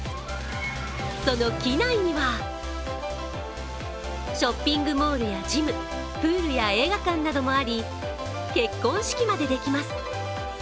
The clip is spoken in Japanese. その機内にはショッピングモールやジム、プールや映画館などもあり結婚式までできます。